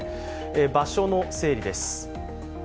場所の整理です。